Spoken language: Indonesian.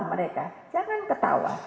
mereka jangan ketawa